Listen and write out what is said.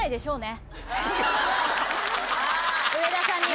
上田さんには。